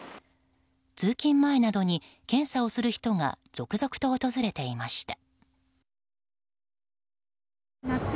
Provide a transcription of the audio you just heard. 通勤前などに検査をする人が続々と訪れていました。